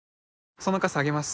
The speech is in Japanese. その傘あげます